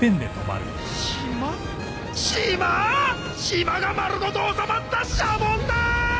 島が丸ごと収まったシャボンだ！